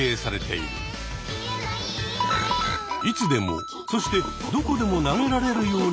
いつでもそしてどこでも投げられるようになった結果。